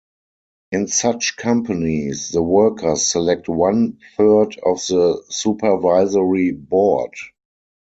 In such companies, the workers select one-third of the supervisory board.